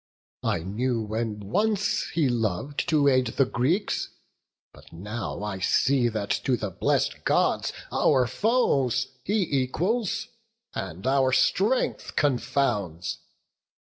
I knew when once he lov'd to aid the Greeks; But now I see that to the blessed Gods Our foes he equals, and our strength confounds.